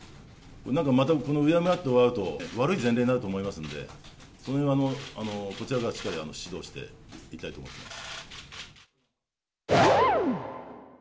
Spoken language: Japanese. またうやむやって終わると悪い前例になると思いますんで、こちらからしっかり指導していきたいと思ってます。